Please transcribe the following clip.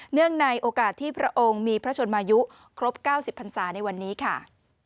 ในโอกาสที่พระองค์มีพระชนมายุครบ๙๐พันศาในวันนี้ค่ะ